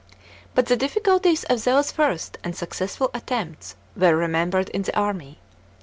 * But the difficulties of those first, unsuccessful attempts were remembered in the army.